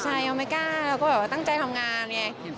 ใช่ออมายก๊าเราก็แบบว่าตั้งใจทำงานอย่างเงี้ย